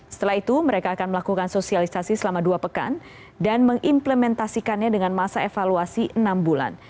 setelah itu mereka akan melakukan sosialisasi selama dua pekan dan mengimplementasikannya dengan masa evaluasi enam bulan